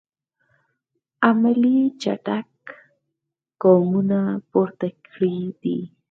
عملي چټک ګامونه پورته کړی دي.